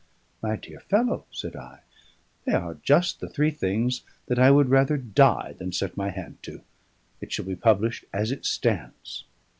"My dear fellow," said I, "they are just the three things that I would rather die than set my hand to. It shall be published as it stands."